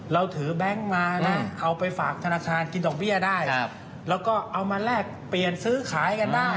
เราถือแบงค์มานะเอาไปฝากธนาคารกินดอกเบี้ยได้แล้วก็เอามาแลกเปลี่ยนซื้อขายกันได้